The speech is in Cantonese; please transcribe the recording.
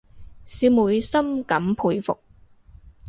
小妹深感佩服